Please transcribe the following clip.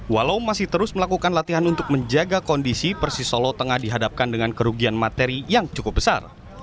walau masih terus melakukan latihan untuk menjaga kondisi persisolo tengah dihadapkan dengan kerugian materi yang cukup besar